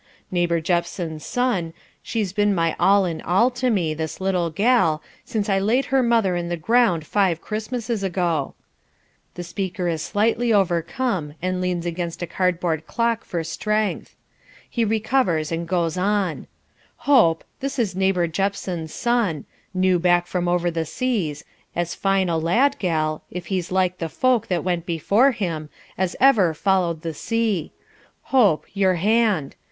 Neighbour Jephson's son, she's been my all in all to me, this little gal, since I laid her mother in the ground five Christmases ago " The speaker is slightly overcome and leans against a cardboard clock for strength: he recovers and goes on "Hope, this is Neighbour Jephson's son, new back from over the seas, as fine a lad, gal, if he's like the folk that went before him, as ever followed the sea. Hope, your hand.